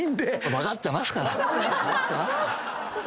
分かってますから。